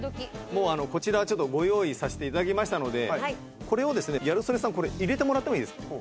もうこちらちょっとご用意させて頂きましたのでこれをですねギャル曽根さんこれ入れてもらってもいいですか？